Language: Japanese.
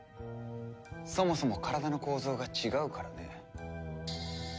そもそも体の構造が違うからね。